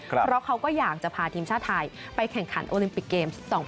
เพราะเขาก็อยากจะพาทีมชาติไทยไปแข่งขันโอลิมปิกเกมส์๒๐